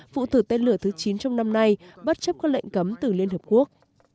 vụ thử tên lửa thứ chín trong năm nay bất chấp các lệnh cấm từ liên hợp quốc